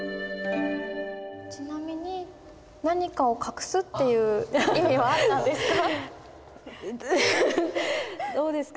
ちなみに何かを隠すっていう意味はあったんですか？